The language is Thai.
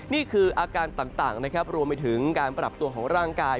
นี่คืออาการต่างนะครับรวมไปถึงการปรับตัวของร่างกาย